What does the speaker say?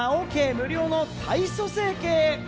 無料の体組成計。